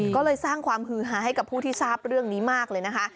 ก็เลยสร้างความฮือฮาให้กับผู้ที่ทราบเรื่องนี้มากเลยนะคะ